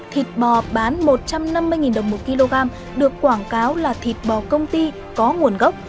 thịt bò bán một trăm năm mươi đồng một kg được quảng cáo là thịt bò công ty có nguồn gốc